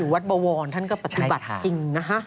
วัดบวรท่านก็ปฏิบัติจริงนะคะ